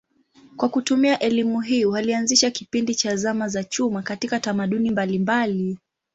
Kwa kutumia elimu hii walianzisha kipindi cha zama za chuma katika tamaduni mbalimbali.